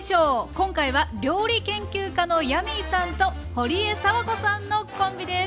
今回は料理研究家のヤミーさんとほりえさわこさんのコンビです。